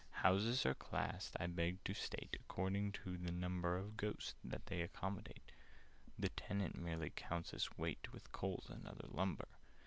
"Houses are classed, I beg to state, According to the number Of Ghosts that they accommodate: (The Tenant merely counts as weight, With Coals and other lumber).